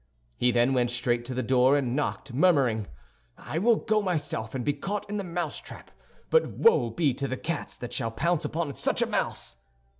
He then went straight to the door and knocked, murmuring, "I will go myself and be caught in the mousetrap, but woe be to the cats that shall pounce upon such a mouse!"